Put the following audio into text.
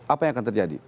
apa yang akan terjadi